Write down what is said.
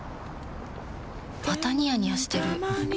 またニヤニヤしてるふふ。